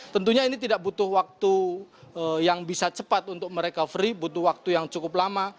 tentunya ini tidak butuh waktu yang bisa cepat untuk mereka free butuh waktu yang cukup lama